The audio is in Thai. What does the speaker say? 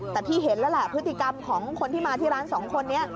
แต่พี่เห็นแล้วแหละพฤติกรรมของคนที่มาที่ร้านสองคนนี้